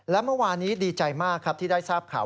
และเมื่อวานนี้ดีใจมากครับที่ได้ทราบข่าว